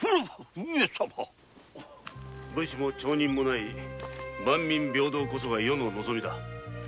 武士も町人もない万民平等の平和こそ余の望みだ。